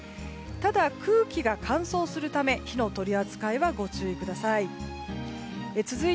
ただ、空気が乾燥するため火の取り扱いはご注意ください。